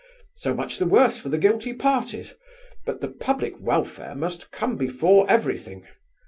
So much the worse for the guilty parties, but the public welfare must come before everything.